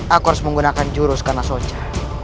aku harus menggunakan jurus karena soca